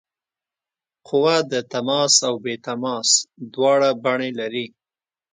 قوه د تماس او بې تماس دواړه بڼې لري.